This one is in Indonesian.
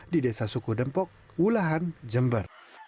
di desa suku dempok wullahan jember